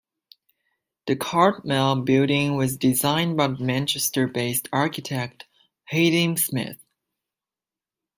The Cartmel building was designed by the Manchester-based architect, Haydyn Smith.